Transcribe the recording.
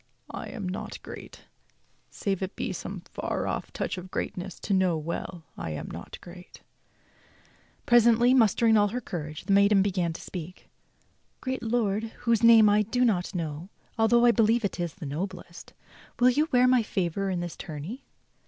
I am not great, 'save it be some far off touch of great ness to know well I am not great. 84 THE STORY OF KING ARTHUR Presently, mustering all her courage, the maiden began to speak: "Great lord, whose name I do not know, although I believe it is the noblest, will you wear my favor in this tourney?"